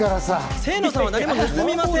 清野さんは何も盗みません。